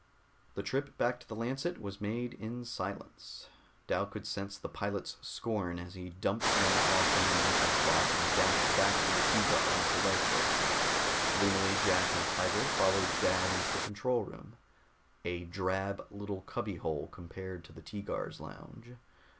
The trip back to the Lancet was made in silence. Dal could sense the pilot's scorn as he dumped them off in their entrance lock, and dashed back to the Teegar with the lifeboat. Gloomily Jack and Tiger followed Dal into the control room, a drab little cubby hole compared to the Teegar's lounge.